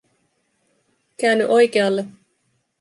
Käänny oikealle